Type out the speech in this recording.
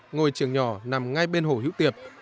ngồi trường nhỏ nằm ngay bên hồ hiếu tiệp